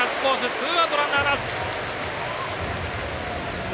ツーアウト、ランナーなし！